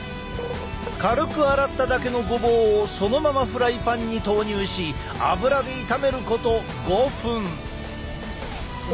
軽く洗っただけのごぼうをそのままフライパンに投入し油で炒めること５分。